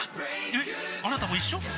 えっあなたも一緒？